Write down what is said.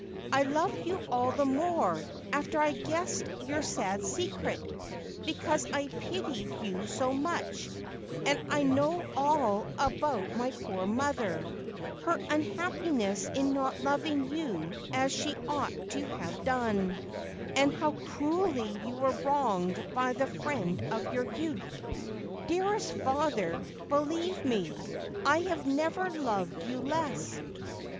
' I loved you all the more, after I guessed your sad secret, because I pitied you so much ; and I know all about my poor mother — her unhappiness in not loving you as she ought to have done — and how cruelly you were wronged by the friend of your youth. Dearest father, believe me, I have never loved you. less.'